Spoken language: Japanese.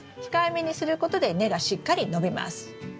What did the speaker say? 控えめにすることで根がしっかり伸びます。